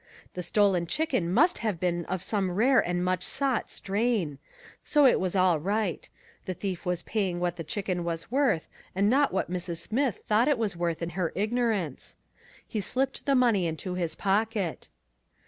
The stolen chicken must have been of some rare and much sought strain. So it was all right. The thief was paying what the chicken was worth, and not what Mrs. Smith thought it was worth in her ignorance. He slipped the money into his pocket.